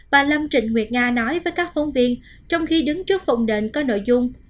bà lâm trịnh nguyệt nga nói với các phóng viên trong khi đứng trước phòng đệm có nội dung